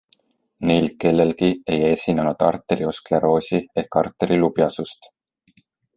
Neil kellelgi ei esinenud arterioskleroosi ehk arterilubjastust.